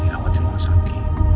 dia rawatkan masakit